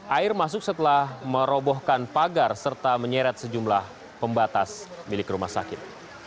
air masuk setelah merobohkan pagar serta menyeret sejumlah pembatas milik rumah sakit